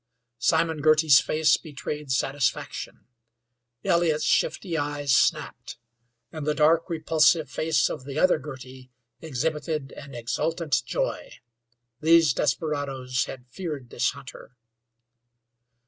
Simon Girty's face betrayed satisfaction; Elliott's shifty eyes snapped, and the dark, repulsive face of the other Girty exhibited an exultant joy. These desperadoes had feared this hunter.